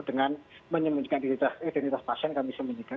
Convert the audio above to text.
dengan menyembunyikan identitas pasien kami sembunyikan